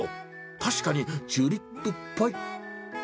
確かにチューリップっぽい。